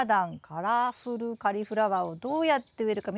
カラフル・カリフラワー」をどうやって植えるか？